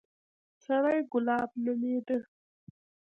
سړى ګلاب نومېده.